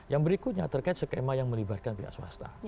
yang berikutnya terkait skema yang melibatkan pihak swasta